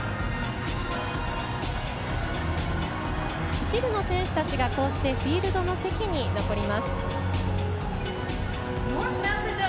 一部の選手たちがこうして、フィールドの席に残ります。